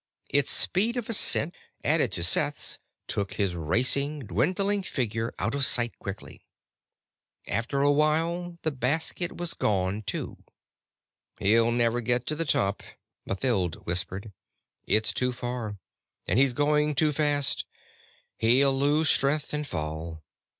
Its speed of ascent, added to Seth's took his racing, dwindling figure out of sight quickly. After a while, the basket was gone, too. "He'll never get to the top," Mathild whispered. "It's too far, and he's going too fast. He'll lose strength and fall."